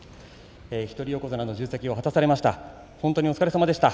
一人横綱の重責を果たされました。